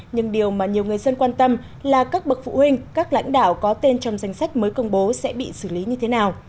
nhưng điều mà nhiều người dân quan tâm là các bậc phụ huynh các lãnh đạo có tên trong danh sách mới công bố sẽ bị xử lý như thế nào